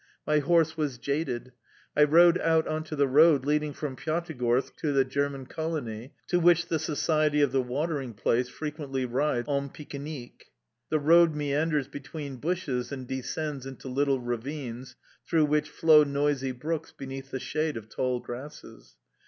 My horse was jaded. I rode out on to the road leading from Pyatigorsk to the German colony, to which the society of the watering place frequently rides en piquenique. The road meanders between bushes and descends into little ravines, through which flow noisy brooks beneath the shade of tall grasses.